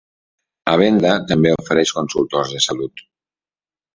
Avenda també ofereix consultors de salut.